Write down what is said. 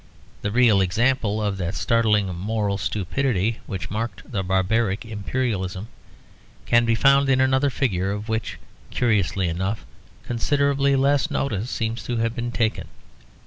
The real example of that startling moral stupidity which marked the barbaric imperialism can be found in another figure of which, curiously enough, considerably less notice seems to have been taken.